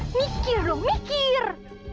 mikir dong mikir